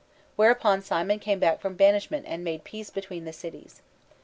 Whereupon Cimon came back from banishment and made peace ὃ between the cities.